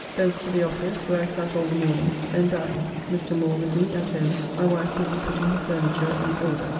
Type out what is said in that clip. Thence to the office, where I sat all the morning, then dined; Mr. Moore with me, at home, my wife busy putting her furniture in order.